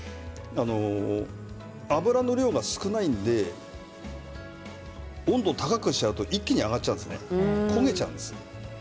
油の量が少ないので温度を高くしてしまうと一気に上がってしまって焦げてしまうんです。